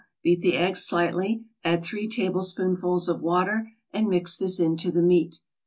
Beat the egg slightly, add three tablespoonfuls of water, and mix this into the meat.